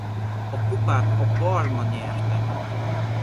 A kupát a Parma nyerte meg.